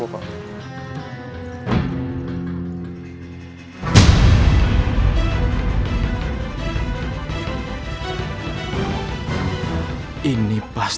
untuk mencari ular